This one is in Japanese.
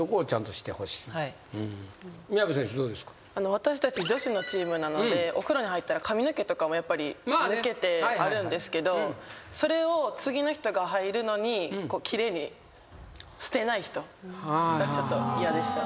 私たち女子のチームなのでお風呂に入ったら髪の毛とかも抜けてあるんですけどそれを次の人が入るのに奇麗に捨てない人がちょっと嫌でした。